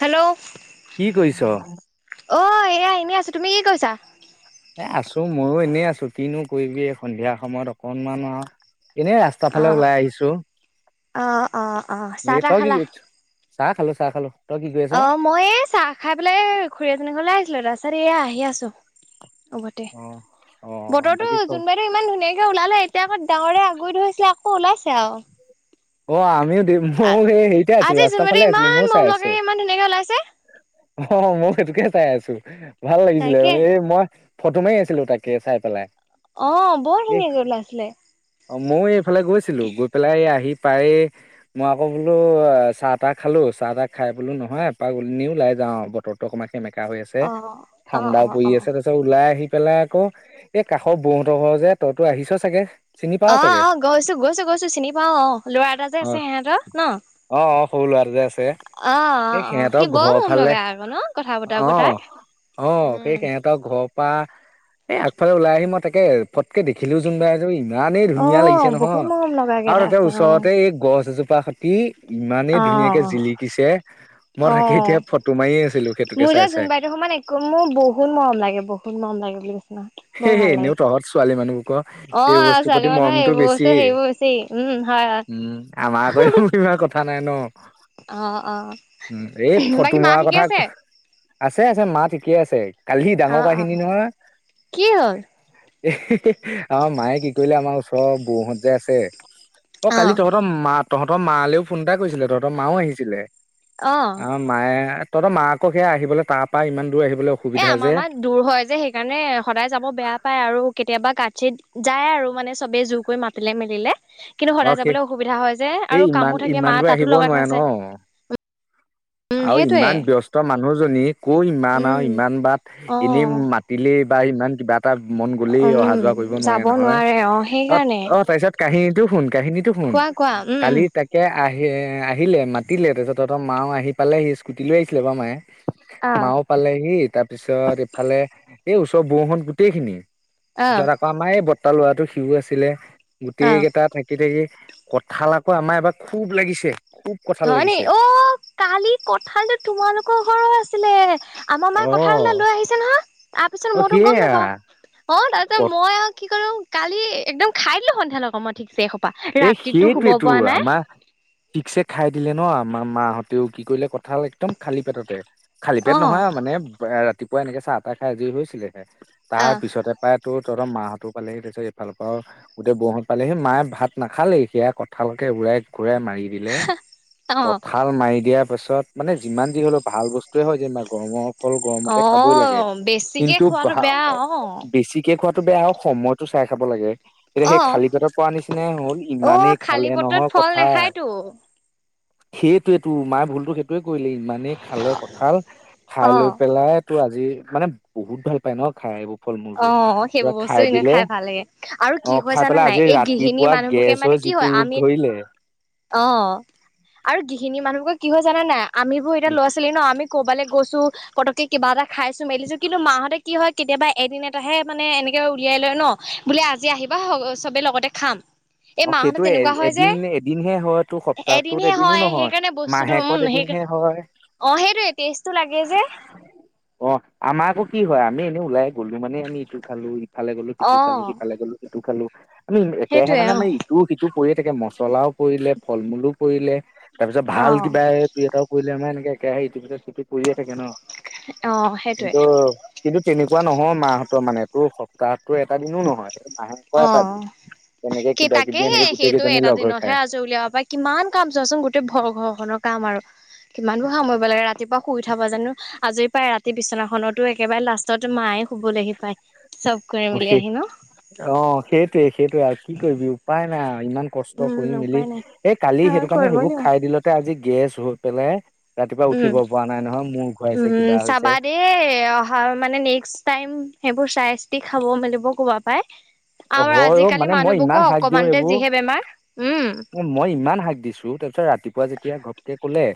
Hello, কি কৰিছ? অ এয়া এনেই আছে। তুমি কৈছা। এ আছোঁ মইয়ো এনেই আছোঁ কিনো কৰিবি সন্ধিয়া সময়ত অকণমান আহ। এনেই ৰাস্তা ফালে অ' ওলাই আহিছোঁ অ' অ' অ' চাহ তাহ খালা? [unintelligible] চাহ খালোঁ চাহ খালোঁ। অ মই চাহ খাই পেলাই খুৰী এজনীৰ ঘৰলৈ আহিছিলোঁ, ৰাস্তাত এয়া আহি আছোঁ। হব দে অ অ বতৰটো বাকী ক যোনবাইয়ে ইমান ধুনীয়াকে ওলালে এতিয়া - তেওঁ আগতে হৈছিলে আকৌ ওলাইছে আৰু! অ আমি- মই এতিয়াই আছো আজি ৰাস্তাৰ জোনবাইদেউ ফালে আছিলো ইমান মই মৰম চাই লগাকে আছিলোঁ। ইমান ধুনীয়াকে ওলাইছে। ই অ মই সেইটোকে চাই আছোঁ, ভাল লাগিছিলে তাকে। মানে এই মই- ফটো মাৰি আছিলোঁ তাকে চাই পেলাই। অ, বৰ এই ধুনীয়াকৈ ওলাইছিলে। অ, মইও এইফালে গৈছিলো। গৈ পেলাই এই আহি পাৰি মই আকৌ বোলো চাহ -তাহ খালো। চাহ- তাহ খাই বোলো নহয় এপাক গলো এনে ও ওলাই যাও, যাও বতৰটো অকণমান সেমেকা হৈ আছে। অ' অ' ঠাণ্ডাও অ' পৰি অ' আছে তাৰপিছত ওলাই আহি পেলাই আকৌ এই কাষৰ বৈ হঁতৰ ঘৰ যে, তইতো আহিছ চাগে। চিনি পাৱ অ, চাগে অ গৈছো- গৈছো- গৈছো চিনি পাও অ, ল'ৰা এটা যে অ আছে সিহতৰ ন? অ, অ সৰু লৰাটো যে আছে। অ, অ, এই অ সিহঁতৰ সি বৰ ঘৰৰ মৰম ফালে লগা আৰু ন। কথা অ পতাবোৰ তাৰ। অ, সেই উম। সিহঁতৰ ঘৰৰ পৰা বা, এই আগফালে ওলাই আহিম মই তাকে পটকে দেখিলোও জোন বাক। ইমানেই ধুনীয়া অ', লাগিছে বহুত নহয় মৰম লগাকে আৰু তাতে আছে অ', ওচৰতে এই গছজোপা খতি ইমানেই ধুনীয়াকে অ', জিলিকিছে মই তাকে অ'। এতিয়া ফটো মাৰি আছিলো। সেইটোকে চাই- চাই। মানে একো মোৰ বহুত মৰম লাগে, বহুত মৰম লাগে বুলি কৈছো। এ, এনেও তহঁত ছোৱালী মানুহবোৰৰ এই অ', বস্তুৰ ছোৱালী প্ৰতি মানুহৰ মৰমটো এইবোৰ বেছি। বস্তু সেইবোৰ বেছি উম, হয়, হয়, উম, আমাৰ আকৌ ইমাৰ কথা নাই ন। অ', অ'। উম, এই বাকী ফটো মা মৰা ঠিকে কথা আছে? আছে- আছে মাত ঠিকে আছে, কালি সি ডাঙৰ অ', অ', কাহিনী নহয় কি হ'ল? এ আমাৰ মায়ে কি কৰিলে আমাৰ ওচৰৰ বৰহঁত যে আছে। অ, কালি তহঁতৰ মা, তহঁতৰ মালৈও ফোন এটা কৰিছিলে তহঁতৰ মাও আহিছিলে। অ, মায়ে তহঁত মাকক সেয়া আহিবলৈ তাৰ পৰা ইমান দূৰ আহিবলৈ এ অসুবিধা আমাৰ যে মাৰ দূৰ হয় যে সেইকাৰণে মানে সদায় যাব বেয়া পায় আৰু। কেতিয়াবা কাতচিত যায় আৰু মানে চবে জোৰ কৰি মাতিলে মেলিলে। কিন্তু অ সদায় সেই যাবলৈ অসুবিধা হয় যে। এই আৰু ইমান কামো থাকে ইমান মা দূৰ তাতো আহিব লগাত নোৱাৰে ন। আছে। উম, আৰু সেইটোয়ে। ইমান ব্যস্ত মানুহজনীৰ কৰ ইমান আৰু উম ইমান বাট অ এনেই মাতিলেই বা ইমান কিবা তাত মন গৈলেই অহা উম যোৱা কৰিব নোৱাৰে যাব নহয়। অ, সেইকাৰণে অ তাৰপিছত কাহিনীটো শুন, কাহিনীতটো শুন, কোৱা কোৱা উম উম কালি তাকে আহি এ আহিলে মাতিলে তাৰ পিছত তহঁতৰ মাও আহি পালে সি স্কুটি লৈ আহিছিলে বাৰু মায়ে। অ মাও পালেহি। তাৰ পিছত এইফালে এই ওচৰৰ বৌহত গোটেই খিনি। তাৰপাছত অ আকৌ আমাৰ এই বৰ্তাৰ লৰাটো সিও আছিলে গোটেই কেইটা থাকি থাকি কঠাল আকৌ আমাৰ এবাৰ খুব লাগিছে। খুব কঁঠাল হয় নি। লাগিছে অ, কালিৰ কঠালটো তোমালোকৰ ঘৰৰ আছিলে। আমাৰ মায়ে অ কঠাল লৈ আহিছে নহয় তাৰপিছত অ মইতো গম সেয়া নাপাও। অ, তাৰপাছতে ক মই আৰু কি কৰো কালি একদম খাই দিলো সন্ধিয়াত অকাণমান। এই সেইটোয়ে টো নাই আমাক ঠিকছে খাই দিলে ন। আমাৰ মাহঁতেও কি কৰিলে কঁঠাল একদম খালী পেটতে। খালী পেট অ নহয় মানে, ৰাতিপুৱা এনেকে চাহ- তাহ খাই আজৰি হৈছিলেহে অ তাৰ পিছতে প্ৰায় তহঁত মা হঁতো পালেহি তাৰপিছত এফালৰ পৰাও গোটেই বৌহত পালেহি মায়ে ভাত নাখালে সেইয়া কঁঠালকে উৰাই ঘুৰাই মাৰি দিলে অ কঠাল মাৰি দিয়া তাৰপাছত মানে যিমান যি হ'লেও ভাল বস্তুয়ে হওঁক যে গৰমত। ফল অ গৰমতে খাবই লাগে। বেছিকে কিন্তু খোৱাটো বেয়া অ বেছিকে খোৱাত টো বেয়া হ। সময়তো চাই খাব লাগে এতিয়া অ সেই খালী পেটৰ পোৱা নিচিনাই হ'ল। অ, ইমানেই খালে খালী পেটত ফল নাখায়টো সেইটোৱে টো মায়ে ভুলতো সেইটোৱে কৰিলে। ইমানেই খালে কঁঠাল খাই লৈ অ পেলাই তো আজি মানে বহুত ভাল পায় ন খাই। ফল অ মূলবোৰ পুৰা সেইবোৰ বস্তু খাই এনে দিলে ভাল লাগে আৰু কি অ হয় খাই জানা পেলাই নাই আজি এই গৃহিণী ৰাতিপুৱা মানুহবোৰকে গেছ মানে হৈ কি হয় যিটো ৰূপ আমি ধৰিলে। অ। আৰু গিহিনী মানুহবোৰৰ কি হয় জানা নাই! আমি বোৰ এতিয়া লৰা ছোৱালী ন? আমি ক'বালে গৈছো। পতককে কিবা এটা খাইছো, মেলিছো। কিন্তু মাহঁতে কি হয় কেতিয়াবা এদিন এটাহে মানে এনেকে উলিয়াই লয় ন? বোলে আজি আহিবা স চবে লগতে খাম। এই অ, মাহঁতে সেইটো এ তেনেকুৱা হয় যে এদিন এদিনহে হয়টো। সপ্তাহটোত এদিনহে এদিনো হয় নহয় সেইকাৰণে বস্তুটো মাহেকত উম এদিন সেই হে হয়। অ, সেইটোৱে টেস্তটো লাগে যে। অ, আমাৰ কো কি হয় আ আমি এনে ওলাই গলো মানে আমি ইটো খালো, ইফালে গ'লো অ সিটো খালো সিফালে গ'লো সিটো খালো। আমি একেৰাহে সেইটোয়ে মানে আমাৰ অ ইটো সিটো পৰিয়ে থাকে মছলাও পৰিলে ফল মূলো পৰিলে। তাৰপিছত ভাল কিবা দুই এটাও পৰিলে আমাৰ এনেকে একেৰাহে ইটো পিছত সিটো পৰিয়ে থাকে ন অ অ সেইটোৱে কিন্তু - কিন্তু তেনেকুৱা নহয় মাহত মানে এইটো সপ্তাহতো এটা দিনো নহয়। এইটো মাহেকৰ এটা দিন। তেনেকে সেই কিবা কিবি তাকেহে এনেকে গোটেই সেইটোৱে কেইজনী এটা লগ হৈ দিনতহে খায় আজৰি উলিয়াব পাই। কিমান কাম চোৱাচোন গোটেই ভ ঘৰখনৰ কাম কিমানবোৰ সামৰিব লাগে। ৰাতিপুৱা শুই থা পা জানো আজৰি পায় ৰাতি বিচনাখনতো একেবাৰে লাষ্টত মায়ে শুবলেহি পায়। চব কৰি অ মিলি সেই আহি ন? অ', সেইটোৱে সেইটোৱে আও। কি কৰিবি উপায় নাই আও। ইমান কষ্ট কৰি উম মেলি উপায় নাই এই কালি সেইটো কাৰণে কৰিবই সেইবোৰ লাগিব খাই দিলতে আজি গেছ হৈ পেলাই ৰাতিপুৱা উম উঠিব পৰা নাই নহয়। মূৰ ঘূৰাইছে উম, কিবা হৈছে। চাবা দেই অহা মানে নেক্স টাইম সেইবোৰ চাই তি খাব মেলিব কবা পাই। অ', আৰু হয় অ', আজিকালি মানে মই মানুহবোৰকো ইমান শাক দিওঁ অকমানতে এইবোৰ যিহে বেমাৰ। উম মই ইমান হাক দিছো, তাৰপিছত ৰাতিপুৱা যেতিয়া ঘপকে ক'লে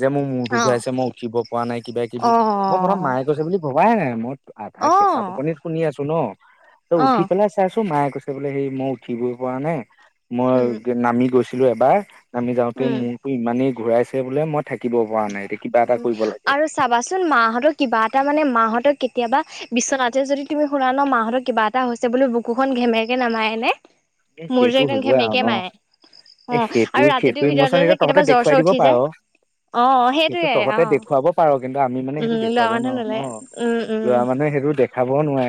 যে মোৰ মূৰটো অ ঘূৰাইছে মই উঠিব পৰা নাই কিবা কিবি অ মই প্ৰথম মায়ে কৈছে বুলি ভবায়ে নাই। মই আধা অ কেচা টোপনিত শুনি আছো ন। ত অ উঠি পেলাই চাইছো, মায়ে কৈছে বোলে হেৰি মই উঠিবই পৰা নাই। উম মই নামি গৈছিলো এবাৰ, নামি যাওতে উম মোৰতো ইমানেই ঘূৰাইছে বোলে, মই থাকিব পৰা নাই। এতিয়া কিবা এটা উম, কৰিব লাগে আৰু চাবাচোন মাহতৰ কিবা এটা মানে মাহতক কেতিয়াবা বিচনাতে যদি তুমি শুনা ন মাহতৰ কিবা এটা হৈছে বুলি বুকুখন ঘেমেকে নামাৰেনে? এ মোৰ যে সেইটো একদম হ'বই আৰু ঘেমেকে ন মাৰে। অ, এ সেইটো আৰু সেইটো ৰাতিটোৰ ভিতৰতে ইমচন যে এতিয়া তহঁতে কেতিয়াবা জ্বৰ- দেখুৱাই চৰ উঠি যায়, অ, সেইটোয়ে। তহতে অ দেখুৱাব পাৰ, কিন্তু আমি মানে উম সেইটো লোৱা দেখুৱাব মানুহ নোৱাৰো নোলায় ন' উম উম ল'ৰা মানুহে সেইটো দেখাবও নোৱাৰে।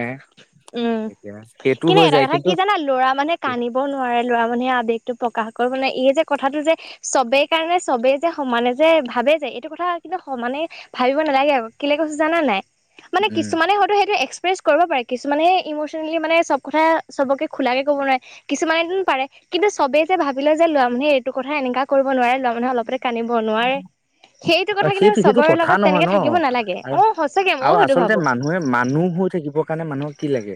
উম, এতিয়া সেইটো কিন্তু হৈ এটা যায় কথা কি জানা ল'ৰা মানুহে কানিব নোৱাৰে, ল'ৰা মানুহে আৱেগটো পকা কাশ কৰিব নোৱাৰে, এই যে কথাটো যে চবে কাৰণে চবেই যে সমানে যে ভাবে যে, এইটো কথা কিন্তু স মানে ভাবিব নালাগে আও। কেলে কৈছো জানা নাই! মানে উম কিছুমানে হয়তো সেইটো এক্স কৰিব পাৰে কিছুমানেহে ইমচনেলি মানে চব কথা চবকে খোলাকে ক'ব নোৱাৰে কিছুমানেটো পাৰে। কিন্তু চবে যে ভাবিলয় যে ল'ৰা মানুহে এইটো কথা এনেকা কৰিব নোৱাৰে, ল'ৰা মানুহে অলপতে কানিব নোৱাৰে সেইটো অ কথা কিন্তু সেইটো চবৰে কথা লগত নহয় ন তেনেকে থাকিব নালাগে। আৰু অ, সচাকে আৰু মইও সেইটো আচলতে ভাবো। মানুহে মানুহ হৈ থাকিবৰ কাৰণে মানুহক কি লাগে?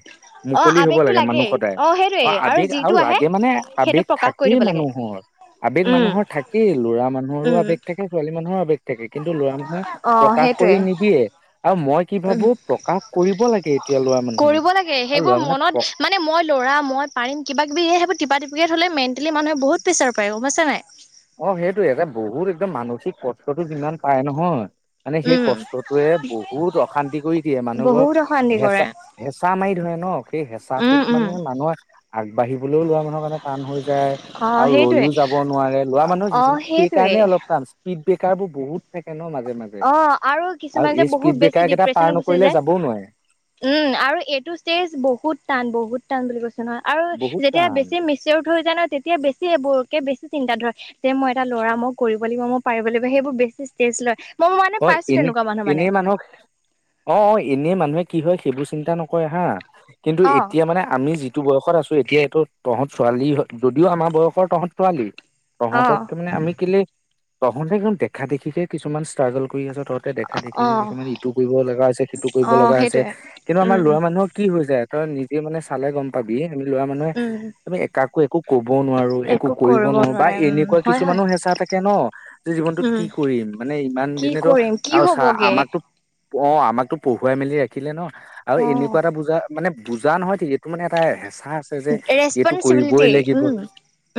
অ মুকলি হ'ব আবেগটো লাগে মানুহ লাগেই সদায়। সেইটোৱে অ, আৱেগ আৰু যিটো আহে লাগে মানে, সেইটো আৱেগ প্ৰকাশ কৰি থাকেই দিব লাগে মানুহৰ। আৱেগ উম মানুহৰ থাকেই। ল'ৰা মানুহৰো উম আৱেগ থাকে, ছোৱালী মানুহৰো আৱেগ থাকে কিন্তু ল'ৰা মানুহে অ প্ৰকাশ কৰি সেইটোৱে নিদিয়ে। আৰু মই কি ভাবো প্ৰকাশ কৰিব লাগে এতিয়া ল'ৰা মানুহে কৰিব লাগে আৰু ল'ৰা মানুহে প পাৰি কিবাকিবি সেইবোৰ তিপাতিপিকে ঠলে মেন্তেলি মানুহে বহুত প্ৰেচাৰ পায় গম পাইছা নে নাই। অ, সেইটোয়ে এটা বহুত একদম মানসিক কষ্ঠটো যিমান পায় নহয় মানে সেই উম কষ্টটোৱে বহুত অশান্তি কৰি দিয়ে। মানুহবোৰক বহুত অশান্তি হেচা কৰে - হেচা মাৰি ধৰে। ন সেই হেচাটোত উম উম মানে মানুহে আগবাঢ়িবলৈও ল'ৰা মানুহৰ কাৰণে টান হৈ যায় অ আৰু সেইটোৱে ৰৈও যাব নোৱাৰে ল'ৰা মানুহৰ অ জীৱন সেইটোৱে সেইকাৰণে অলপ টান স্পীড ব্ৰেকাৰ বোৰ বহুত থাকে ন মাজ অ, আৰু কিছুমান যে বহুত বেছি ব্ৰেকাৰ কেইটা পাৰ ডিপ্ৰেচনত গুচি নকৰিলে যায়। যাবও নোৱাৰে উম, আৰু এইটো ষ্টেজ বহুত টান, বহুত টান বুলি কৈছ নয়' আৰু বহুত যেতিয়া টান বেছি মেচিঅ' হৈ যায় ন' তেতিয়া বেছি সেইবোৰকে বেছি চিন্তা ধৰে যে, মই এটা ল'ৰা মই কৰিব লাগিব, মই পাৰিব লাগিব, সেইবোৰ বে বেছি ট্ৰেছ লয় মই মানে হয়, পাইছো তেনেকুৱা মানুহ মানে এনে-এনেই মানুহক অ', অ' এনেই মানুহে কি হয় সেইবোৰ চিন্তা নকৰে হা, কিন্তু এতিয়া মানে আমি যিটো বয়স য়সত আছোঁ এতিয়া এইটো, তহঁত ছোৱালী হয়, যদিও আমাৰ বয়সৰ তহঁত ছোৱালী। তহঁততকে মানে আমি কেলে, তহঁতে একদম দেখা দেখিকে কিছুমান ষ্ট্ৰাগল কৰি আছ তহতে, দেখা দেখি অ অ কিছুমান অ ইটো কৰিব লগা হৈছে, সিটো কৰিব অ লগা হৈছে, সেইটোৱে কিন্তু আমাৰ উম ল'ৰা উম মানুহৰ কি হৈ যায় তই নিজে মানে চালে গম পাবি, সেইবুলি ল'ৰা মানুহে উম তুমি কাকো একো একো ক'বও নোৱাৰো, একো কৰিব নোৱাৰো বা নোৱাৰে উম এনেকুৱা হয় হয় কিছুমানো হেঁচা থাকে ন, যে জীৱনতটোত উম কি কৰি ম মানে ইমান কি দিনেতো, কৰিম কি আৰু চা হ'বগে আমাকতো অ', আমাকতো পঢ়োৱাই মেলি ৰাখিলে ন, আৰু অ এনেকুৱা এটা বুজাই মানে বোজা নহয় ঠিক, এইটো মানে এটা হেচা কথা আছে যে, এইটো কৰিবই ৰেচপনচিবিলিটি লাগিব, উম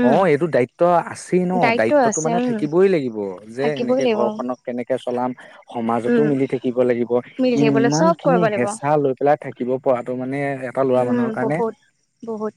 উম অ' এইটো দায়িত্ব আছে ঠি ন, দায়িত্ব দায়িত্বটো আছে মানে উম থাকিবই লাগিব, যে থাকিবই এনেকে লাগিব ঘৰখনক কেনেকে চলাম সমাজতো উম মিলি থাকিব লাগিব, মিলি থাকিবলৈ চব ইমানখিনি কৰিব লাগিব হেঁচা লৈ পেলাই থাকিব পৰাটো মানে ৰে উম বহুত, বহুত।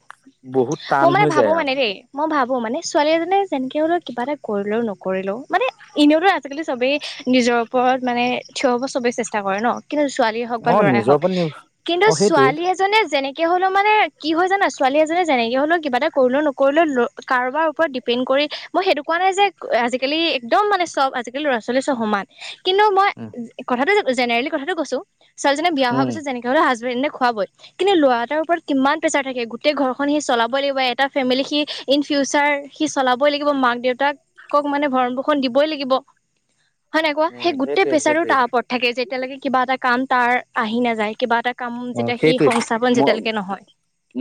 বহুত মই টান মানে হৈ যায় ভাবো আৰু মানে দেই, মই ভাবো মানে ছোৱালী এজনীয়ে যেনকে হলেও কে কিবা এটা কৰিলেও নকৰিলেও, মানে এনেওতো আজিকালি চবেই নিজৰ ওপৰত, মানে থিয় হব চবেই চেষ্টা কৰে ন। কিন্তু ছোৱালীয়ে হওক অ বা ল'ৰাই নিজৰ হওক, ওপৰত নি কিন্তু অ সেইটোৱে ছোৱালী এজনীয়ে যেনেকে হ'লেও মানে, কি হয় জানা ছোৱালী এজনীয়ে যেনেকে হলেও কিবা এটা কৰিলেও নকৰিলেও, ল কাৰোবাৰ ওপৰত ডিপেনড কৰি, মই সেইটো কোৱা নাই যে আজিকালি একদম মানে চব আজিকালি ল'ৰা ছোৱালী চব সমান, কিন্তু মই উম কথাটো জেনেৰেলি কথাটো কৈছোঁ। ছোৱালীজনীয়ে বিয়া হোৱাৰ উম। পিছত যেনেকে হ'লেও হাজব্ৰেণ্ডে খুৱাবই। কিন্তু ল'ৰা এটাৰ ওপৰত কিমান প্ৰেচাৰ থাকে, গোটেই ঘৰখন সি চলাবই লাগিব, এটা ফেমিলি সি ইন ফিউচাৰ সি চলাবই লাগিব, মাক দেউতাকক মানে ভৰণ পোষণ দিবই লাগিব। [inaudible] হয় নাই কোৱা, উম সেই গোটেই সেইটোৱে প্ৰেছাৰটো সেইটোৱে। তাৰ ওপৰত থাকে, যেতিয়ালৈকে কিবা এটা কাম তাৰ আহি নাযায় কিবা এটা। কাম অ যেতিয়া সি সেইটোৱে সংস্থাপন মই যেতিয়ালৈকে নহয়।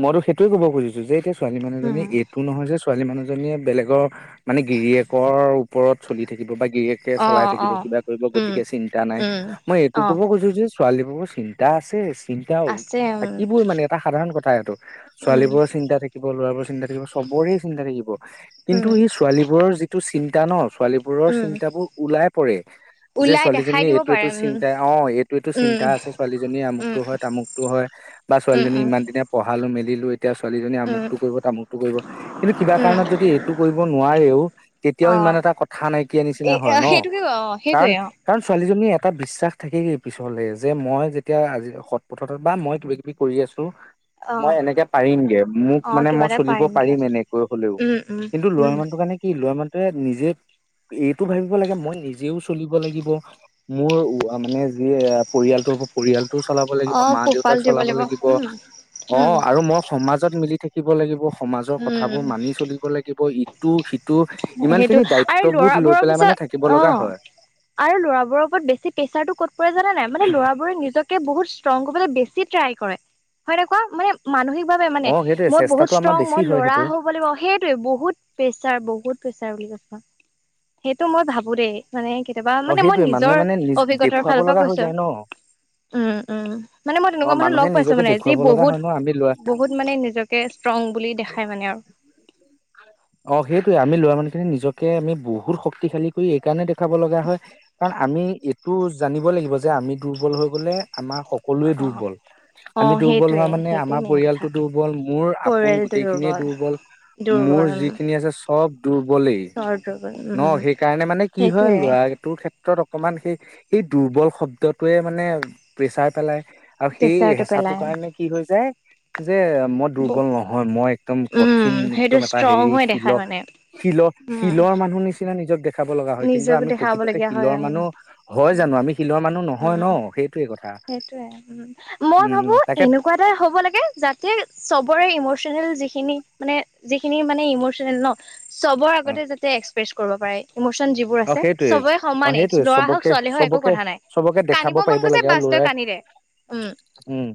মইতো সেইটোয়ে ক'ব খুজিছো যে, এতিয়া ছোৱালী মানুহজনী এইটো নহয় যে ছোৱালী মানুহজনী বেলেগৰ মানে গিৰিয়েকৰ ওপৰত চলি থাকিব বা। গিৰিয়েকে অ চলাই থাকিব অ কিবা কৰিব উম গতিকে উম অ চিন্তা। ছোৱালীবোৰো চিন্তা আছে, চিন্তা আছে উম থাকিবই মানে এটা সাধাৰণ কথা সেইটো। ছোৱালী উম বোৰৰ চিন্তা থাকিব, ল'ৰাবোৰ চিন্তা থাকিব চবৰে চিন্তা থাকিব। কিন্তু উম সি ছোৱালীবোৰৰ যিটো চিন্তা ন' ছোৱালীবোৰৰ উম চিন্তাবোৰ ওলাই পৰে। যে ওলাই দেখাই ছোৱালীজনীয়ে দিব এইটো পাৰে এইটো উম চিন্তা অ' এইটো এইটো চিন্তা উম আছে, ছোৱালীজনীয়ে আমুক। উম তামুকতটো হয় বা উম ছোৱালীজনী উম ইমান দিনে পঢ়ালো মেলিলো। এতিয়া ছোৱালীজনী উম আমুকতটো কৰিব তামুকতটো কৰিব, কিন্তু কিবা উম কাৰণত যদি এইটো কৰিব নোৱাৰেও তেতিয়াও অ ইমান এটা কথা নাইকিয়া এ নিচিনা হয় ন' সেইটোকে অ কাৰণ সেইটোৱে অ কাৰণ ছোৱালী। জনী এটা বিশ্বাস থাকেগেই পিছলে যে, মই যেতিয়া আজি সৎ পথতত বা মই কিবা কিবি কৰি আছো। অ মই এনেকে পাৰিমগে মোক অ মানে কিবা মই এটা চলিব পাৰিমগে পাৰিম এনেকৈ হ'লেও। উম উম কিন্তু লৰা উম মানুহটোৰ কাৰণে কি লৰা মানুটোৱে নিজে এইটো ভাবিব লাগে, মই নিজেও চলিব লাগিব, মোৰ মানে যি পৰিয়ালটো। পৰিয়ালটো চলাব লাগিব, অ পোহপাল মা-দেউতাক দিব চলাব লাগিব, উম উম অ'আৰু ম‌ই সমাজত মিলি থাকি। শিকিব লাগিব, সমাজৰ উম কথাবোৰ মানি চলিব লাগিব ইটো সি সেইটো আৰু লৰাবোৰৰ পেলাই মানে পিছত থাকিব লগা অ'। হয় আৰু ল'ৰাবোৰৰ ওপৰত বেছি প্ৰেচাৰটো ক'ত পৰে জানা নাই, মানে ল'ৰা বোৰে নিজকে বহুত ইচ ত্ৰঙলো বেছি ট্ৰাই কৰে হয়নে কোৱা মানসিক মানে অ সেইটোয়ে মই বহুত চেষ্টাটো আমাৰ ষ্ট্ৰং বেছি মই হয় ল'ৰা সেইটো হ'ব লাগিব সেইটয়ে বহুত প্ৰেচাৰ বহুত সেইটো মই ভাবো দেই মানে। বা অ মানে মই সেইটোয়ে মানুহে নিজৰ মানে নিজ অভিজ্ঞতাৰ দেখুৱাব ফালৰ পৰা লগা হৈ কৈছো। যায় ন উম উম মানে মই অ তেনেকুৱা মানুহ মানুহে লগ পাইছো নিজকে মানে যি দেখুৱাব লগা বহুত হয় ন আমি লৰা বহুত মানে নিজকে, ষ্ট্ৰং বুলি দেখায় মানে আৰু অ' সেইটয়ে আমি লোৱা মানে। সি নিজকে আমি বহুত শক্তিশালী কৰি এই কাৰণে দেখাব লগা হয় কাৰণ আমি এইটো জানিব লাগিব যে আমি দুৰ্বল হৈ গলে আমাৰ সকলোৱে অ দুৰ্বল অ আমি দুৰ্বল হোৱা সেইটোৱে মানে সেইটোৱে আমাৰ মেইন কথা পৰিয়ালটো দুৰ্বল মোৰ আপোন গোটেইখিনিয়ে দুৰ্বল মোৰ দুৰ্বল উম যিখিনি আছে চব, দুৰ্বলেই চৰ দুৰ্বল ন উম সেইকাৰণে মানে কি হয় সেইটোয়ে ল'ৰা ক্ষ্ৰত অকমান সেই সেই দুৰ্বল শব্দটোৱে মানে প্ৰেছাৰ পেলাই আৰু সেই প্ৰেচাৰটো হেঁচাটো পেলাই কাৰণে কি হৈ যায়। যে মই দুৰ্বল বহুত নহয় মই একদম উম কঠিন সেইটো একদম এটা ষ্ট্ৰং হেৰি হৈ শিল দেখায় মানে শিলৰ উম শিলৰ মানুহ নিচিনা নিজক দেখাব লগা হয় কিন্তু আমি প্ৰকৃত, স, মানুহ নহয় ন সেইটোৱে কথা মই ভাবো উম তাকে এনেকুৱা এটা হ'ব লাগে যাতে চবৰে, ইমচনেল যিখিনি মানে যিখিনি মানে অ প্ৰেছ কৰিব পাৰে। ইমচন যিবোৰ অ আছে সেইটোৱে চবে অ সমানেই সেইটোৱে ল'ৰা হওক চবকে ছোৱালী হওক একো চবকে কথা নাই চবকে দেখাব মন পাৰিব লাগে আৰু গৈছে। ল'ৰাই কানিৰে, উম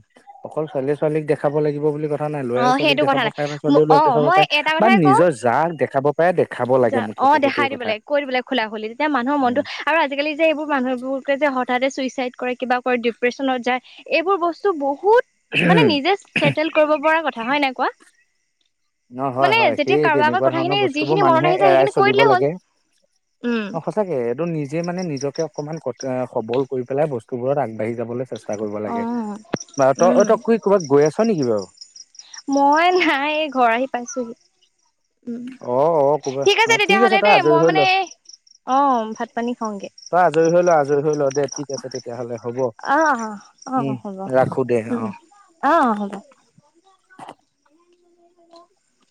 অকল ছোৱালী ছোৱালীক দেখাব লাগিব বুলি কথা। কথা নাই ল'ৰা অ ছোৱালীক সেইটো দেখাব কথা নাই পাৰে বা ছোৱালীও লক অ দেখাব মই পাৰে এটা বা কথাই কওঁ নিজৰ যাক দেখাব পাৰে দেখাব লাগে মুঠ অ' দেখাই দিব ল কৈলে খোলা হ'ল তেতিয়া মানুহৰ মনতটো উম আৰু আজিকালি যে এইবোৰ মানুহবোৰকে যে হঠাতে চুইচাইড কৰে। কিবা ডিপ্ৰচনত যায় এইবোৰ বস্তু বহুত মানে নিজেল কৰিব। পৰা কথা হয় ন কোৱা। ন হয় মানে হয় যেতিয়া সেই কাৰোবাৰ আগত তেনেকুৱা কথাখিনি ধৰণৰ বস্তুবোৰ যিখিনি মনত মানুহে আহিছে এৰাই সেইখিনি কৈ চলিব দিলেই হ'ল লাগে। উম অ' সচাকে। এইটো নিজে মানে নিজকে অকনমান সবল কৰি পেলাই বস্তু বোৰ আগবাঢ়ি যাবলৈ চেষ্টা কৰিব লাগে। বাৰু তই, উম তই ক'ৰবাত গৈ আছ নেকি বাৰু? মই নাই ঘৰ আহি উম। অ অ ক'ৰবাত ঠিক অ আছে তেতিয়াহলে তই দেই আজৰি মই হৈ ল মানে অঁ' ভাত পানী খওঁগে তই আজৰি হৈ ল হৈ ল দে ঠিক আছে তেতিয়াহলে হ'ব। অ অ উম, অ হ'ব ৰাখো দে উম। অ' হ'ব। [inaudible]